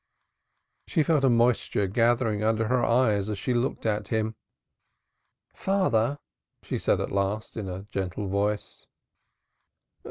She felt a moisture gathering under her eyelids as she looked at him. "Father," she said at last, in a gentle voice.